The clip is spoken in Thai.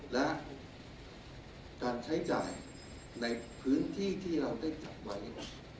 และการใช้จ่ายในพื้นที่ที่เราได้จัดไว้